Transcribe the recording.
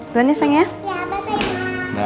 dulu ya sayang ya